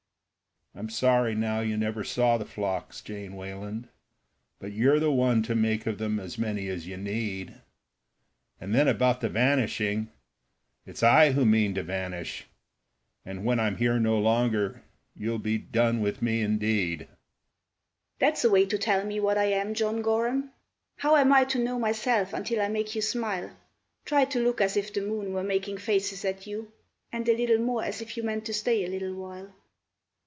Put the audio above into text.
"I'm sorry now you never saw the flocks, Jane Wayland, But you're the one to make of them as many as you need. And then about the vanishing. It's I who mean to vanish; And when I'm here no longer you'll be done with me indeed." "That's a way to tell me what I am, John Gorham! How am I to know myself until I make you smile? Try to look as if the moon were making faces at you, And a little more as if you meant to stay a little while."